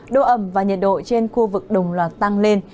độ ẩm và nhiệt độ trên khu vực đồng loạt tăng lên